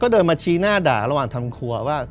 เดินมาชี้หน้าด่าระหว่างทำครัวว่า